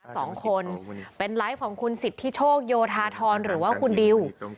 สองคนเป็นไลฟ์ของคุณสิทธิโชคโยธาทรหรือว่าคุณดิว